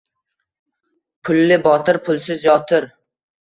Pulli botir, pulsiz yotir